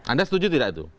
anda setuju tidak itu